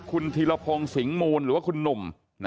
คุณธีรพงศ์สิงห์มูลหรือว่าคุณหนุ่ม